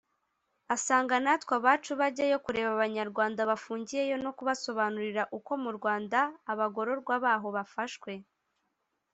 asanga natwe abacu bajyayo kureba Abanyarwanda bafungiyeyo no kubasobanurira uko mu Rwanda abagororwa baho bafashwe”